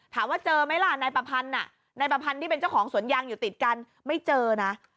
ถามว่าเจอไหมล่ะนายประพันธ์นายประพันธ์ที่เป็นเจ้าของสวนยางอยู่ติดกันไม่เจอนะ